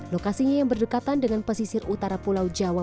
lokasinya yang berdekatan dengan pesisir utara pulau jawa